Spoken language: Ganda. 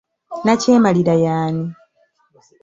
Nakyemalira y'ani?